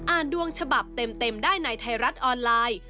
ดวงฉบับเต็มได้ในไทยรัฐออนไลน์